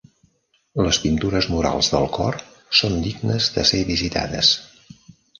Les pintures murals del cor són dignes de ser visitades.